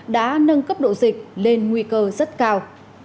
nâng cấp độ dịch lên nguy cơ rất cao